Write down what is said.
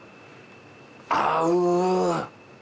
合う！